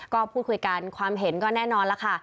ก็พูดคุยกันความเห็นก็แน่นอนแล้วค่ะ